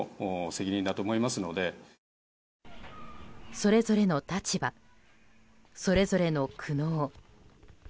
それぞれの立場それぞれの苦悩。